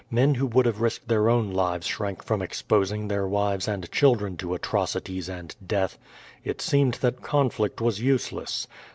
Men who would have risked their own lives shrank from exposing their wives and children to atrocities and death. It seemed that conflict was useless.